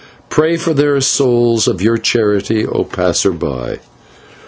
Pray for their souls, of your charity, O passer by."